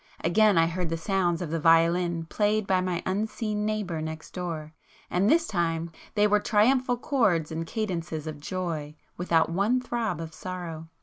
Again I heard the sounds of the violin played by my unseen neighbour next door, and this time they were triumphal chords and cadences of joy, without one throb of sorrow.